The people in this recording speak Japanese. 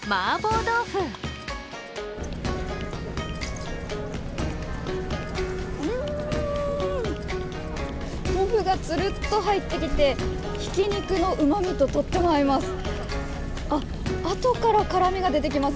豆腐がつるっと入ってきてひき肉のうまみととっても合います。